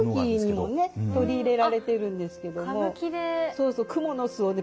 そうそう蜘蛛の巣をね